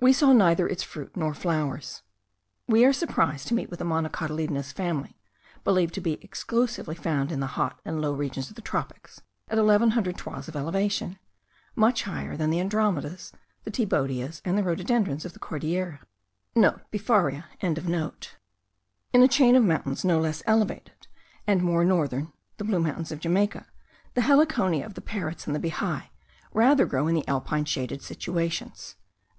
We saw neither its fruit nor flowers. We are surprised to meet with a monocotyledonous family, believed to be exclusively found in the hot and low regions of the tropics, at eleven hundred toises of elevation; much higher than the andromedas, the thibaudias, and the rhododendron of the Cordilleras.* (* Befaria.) In a chain of mountains no less elevated, and more northern (the Blue Mountains of Jamaica), the Heliconia of the parrots and the bihai, rather grow in the alpine shaded situations.